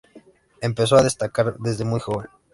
Empezó a destacar desde muy joven.